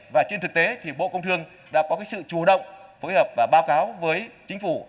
và trên thực tế thì bộ công thương đã có sự chủ động phối hợp và báo cáo với chính phủ